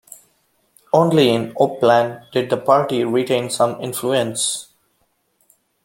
Only in Oppland did the party retain some influence.